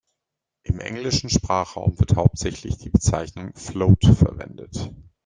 Im englischen Sprachraum wird hauptsächlich die Bezeichnung Float verwendet.